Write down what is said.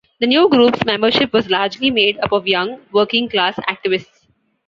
The new group's membership was largely made up of young, working class activists.